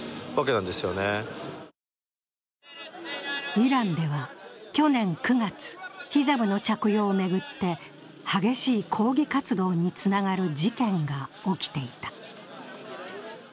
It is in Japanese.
イランでは去年９月、ヒジャブの着用を巡って激しい抗議活動につながる事件が起きていた。